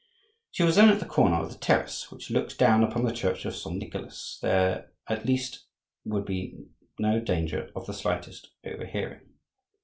She was then at the corner of the terrace which looks down upon the Church of Saint Nicholas; there, at least, there could be no danger of the slightest overhearing.